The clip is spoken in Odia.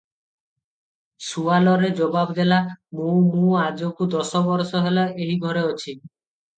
ସୁଆଲରେ ଜବାବ ଦେଲା - "ମୁଁ, ମୁଁ ଆଜକୁ ଦଶବରଷ ହେଲା ଏହି ଘରେ ଅଛି ।